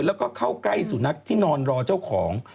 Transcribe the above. แล้วก็เข้าใกล้สุนัขที่นอนรอเจ้าของ